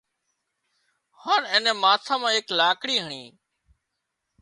هانَ اين نين ماٿا مان ايڪ لاڪڙِي هڻي